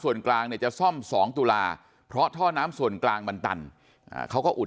ส่วนกลางเนี่ยจะซ่อม๒ตุลาเพราะท่อน้ำส่วนกลางมันตันเขาก็อุด